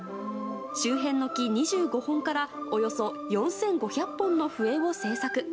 周辺の木２５本からおよそ４５００本の笛を制作。